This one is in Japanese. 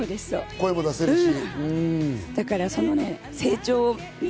声も出せますし。